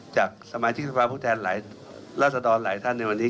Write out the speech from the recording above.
จากสมาชิกสภาพผู้แทนหลายราศดรหลายท่านในวันนี้